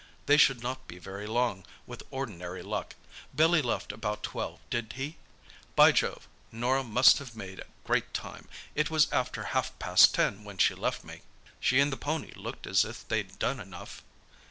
They should not be very long, with ordinary luck. Billy left about twelve, did he? By Jove, Norah must have made great time! It was after half past ten when she left me." "She and the pony looked as if they'd done enough."